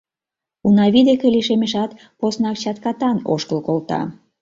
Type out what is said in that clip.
Унавий деке лишемешат, поснак чаткатан ошкыл колта.